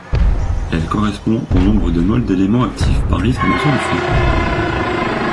Elle correspond au nombre de mole d'éléments actifs par litre de solution.